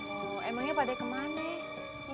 oh emangnya pada kemana